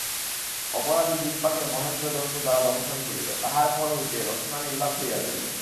অপরাধী জিহ্বাকে মহেন্দ্র দন্ত দ্বারা দংশন করিল–তাহার পর হইতে রসনা নির্বাক হইয়া রহিল।